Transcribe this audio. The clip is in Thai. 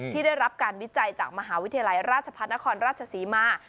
ที่ได้รับการวิจัยจากมหาวิทยาลัยราชพัฒนครราชศรีมา